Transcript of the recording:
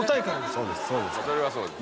それはそうです。